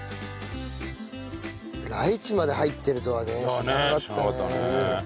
ライチまで入ってるとはね知らなかったね。